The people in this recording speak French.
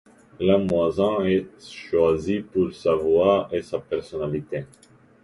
Le muezzin est choisi pour sa voix et sa personnalité.